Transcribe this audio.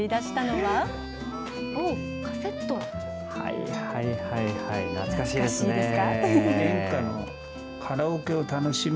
はいはいはい、懐かしいですね。